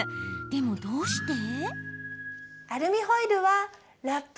でも、どうして？